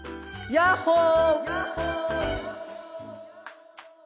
ヤッホー！